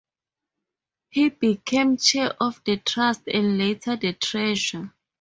He became chair of the trust and later the treasurer.